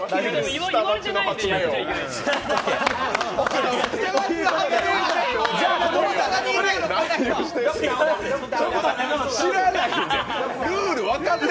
言われてないんで、やっちゃいけないって。